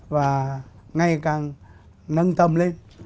và ngày càng nâng tâm lên